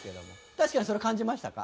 確かにそれ感じましたか？